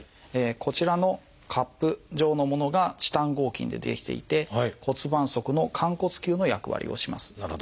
こちらのカップ状のものがチタン合金で出来ていて骨盤側の寛骨臼の役割をします。